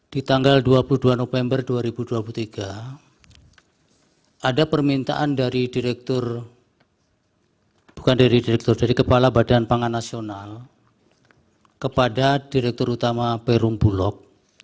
di tanggal dua puluh dua november dua ribu dua puluh tiga ada permintaan dari direktur bukan dari direktur dari kepala badan pangan nasional kepada direktur utama perum bulog